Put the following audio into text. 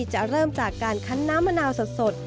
เริ่มจากการคั้นน้ำมะนาวสด